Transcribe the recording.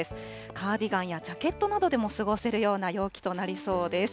カーディガンやジャケットなどでも過ごせるような陽気となりそうです。